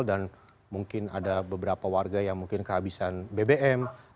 dan mungkin ada beberapa warga yang mungkin kehabisan bbm